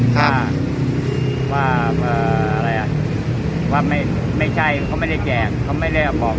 ครับว่าเอ่ออะไรอ่ะว่าไม่ไม่ใช่เขาไม่ได้แจกเขาไม่ได้บอก